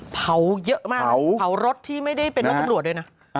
เผาเยอะมากเผารถที่ไม่ได้เป็นรถตำรวจด้วยนะ